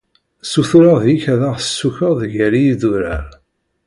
Sutureɣ deg-k ad aɣ-tessukeḍ gar yidurar.